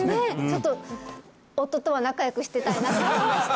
ちょっと夫とは仲良くしてたいなと思いました